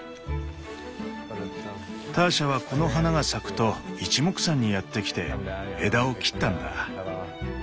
ターシャはこの花が咲くといちもくさんにやって来て枝を切ったんだ。